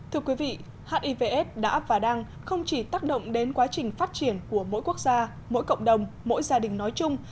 thưa quý vị hivs đã và đang không chỉ tác động đến quá trình phát triển của mỗi quốc gia mỗi cộng đồng mỗi gia đình nói chung